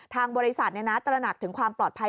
ทางบริษัทตระหนักถึงความปลอดภัย